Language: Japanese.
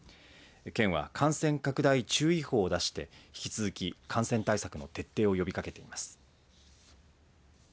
県は感染拡大注意報を出して引き続き感染対策の徹底を呼びかけています。